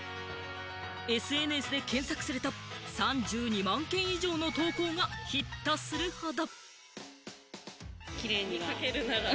ＳＮＳで検索すると、３２万件以上の投稿がヒットするほど。